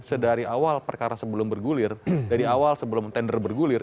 sedari awal perkara sebelum bergulir dari awal sebelum tender bergulir